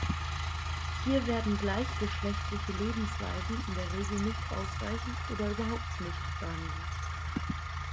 Hier werden gleichgeschlechtliche Lebensweisen in der Regel nicht ausreichend oder überhaupt nicht behandelt.